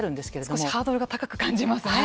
少しハードルが高く感じますね。